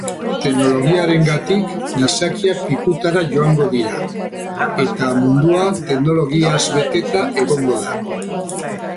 Teknologiarengatik gizakiak pikutara joango dira eta mundua teknologiaz beteta egongo da.